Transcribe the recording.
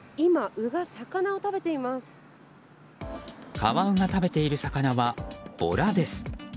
カワウが食べている魚はボラです。